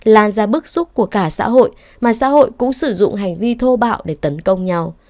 làn ra bức xúc của cả xã hội mà xã hội cũng sử dụng hành vi thô bạo để tấn công nhau